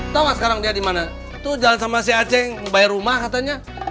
tau gak sekarang dia dimana tuh jalan sama si aceh membayar rumah katanya